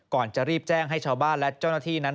ก่อนจะรีบแจ้งให้ชาวบ้านและเจ้าหน้าที่นั้น